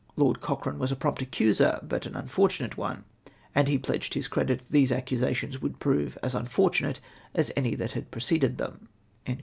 Lord Cochrane was a prompt accuser, but an unfortunate one, and he pledged his credit these accusations would prove as unfortunate as any that had preceded them."